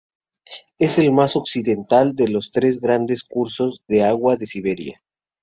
Es el más occidental de los tres grandes cursos de agua de Siberia.